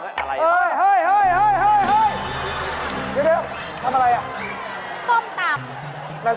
เดี๋ยวทำอะไร